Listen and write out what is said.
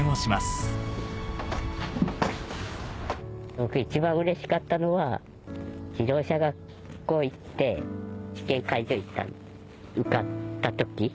僕一番うれしかったのは自動車学校行って試験会場行って受かった時。